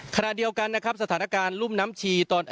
ขณะเดียวกันนะครับสถานการณ์รุ่มน้ำชีตอน